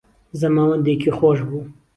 زەماوندێکی خۆش بوو